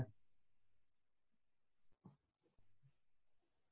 gak kalau rookie combine